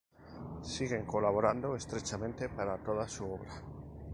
Siguen colaborando estrechamente para toda su obra.